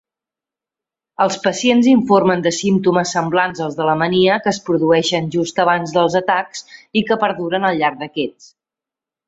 Els pacients informen de símptomes semblants als de la mania que es produeixen just abans dels atacs i que perduren al llarg d'aquests.